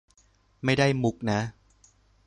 ไม่ได้มุขนะ